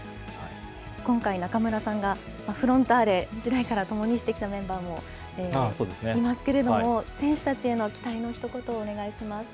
今回、中村さんがフロンターレ時代から共にしてきたメンバーもいると思うんですけれども、選手たちへの期待のひと言をお願いします。